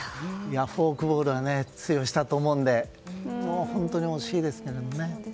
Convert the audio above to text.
フォークボールは通用したと思うので本当に惜しいですね。